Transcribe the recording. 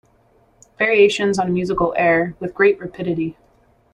Variations on a musical air With great rapidity.